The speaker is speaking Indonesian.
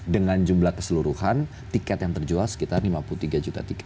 dengan jumlah keseluruhan tiket yang terjual sekitar lima puluh tiga juta tiket